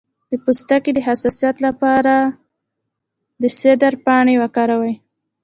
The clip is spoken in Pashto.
د پوستکي د حساسیت لپاره د سدر پاڼې وکاروئ